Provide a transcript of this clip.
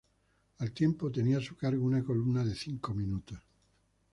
Al tiempo tenía a su cargo una columna de cinco minutos.